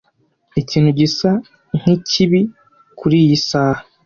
Ikintu gisa nkikibi kuriyi saha.